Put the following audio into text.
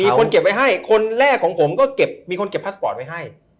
มีคนเก็บไว้ให้คนแรกของผมก็เก็บมีคนเก็บพาสปอร์ตไว้ให้